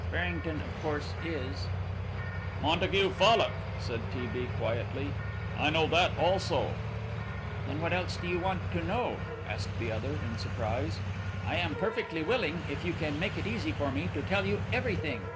Farrington, of course, is " "Montague Fallock," said T. B. quietly. "I know that also." "Then what else do you want to know?" asked the other, in surprise. "I am perfectly willing, if you can make it easy for me, to tell you everything.